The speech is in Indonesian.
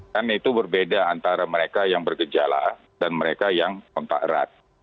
kan itu berbeda antara mereka yang bergejala dan mereka yang kontak erat